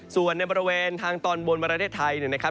ส่วนในบริเวณทางตอนบนประเทศไทยนะครับ